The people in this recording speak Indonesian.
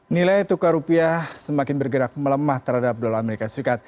nilai tukar rupiah semakin bergerak melemah terhadap dolar as